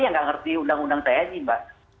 yang nggak ngerti undang undang tni mbak